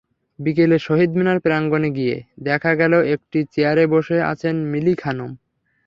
বিকেলে শহীদ মিনার প্রাঙ্গণে গিয়ে দেখা গেল, একটি চেয়ারে বসে আছেন মিলি খানম।